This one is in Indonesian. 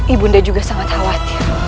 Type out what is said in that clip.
ibu nda juga sangat khawatir